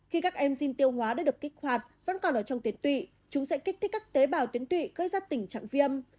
khi các em en tiêu hóa đã được kích hoạt vẫn còn ở trong tiền tụy chúng sẽ kích thích các tế bào tuyến tụy gây ra tình trạng viêm